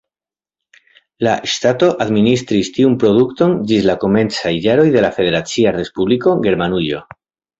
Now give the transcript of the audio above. La ŝtato administris tiun produkton ĝis la komencaj jaroj de la Federacia Respubliko Germanujo.